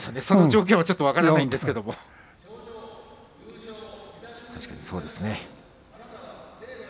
その状況は分からないんですけれど確かにそうですね。